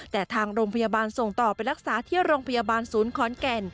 แต่ทางโรงพยาบาลส่งต่อไปรักษาที่โรงพยาบาลศูนย์ขอนแก่น